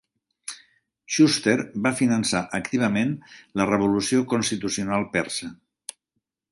Shuster va finançar activament la revolució constitucional persa.